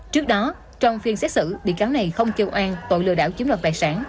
trước đó trong phiên xét xử bị cáo này không kêu an tội lừa đảo chiếm đoạt tài sản